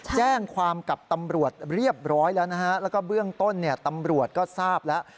แจ้งความกับตำรวจเรียบร้อยแล้วนะฮะแล้วก็เบื้องต้นเนี่ยตำรวจก็ทราบแล้ว